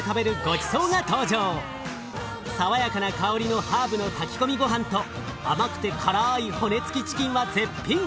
爽やかな香りのハーブの炊き込みごはんと甘くて辛い骨つきチキンは絶品！